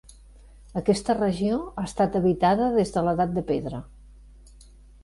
Aquesta regió ha estat habitada des de l'Edat de Pedra.